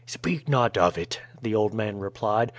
"Speak not of it," the old man replied.